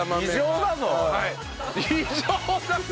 「異常だぞ」。